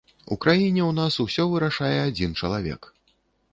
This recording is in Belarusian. У краіне ў нас усё вырашае адзін чалавек.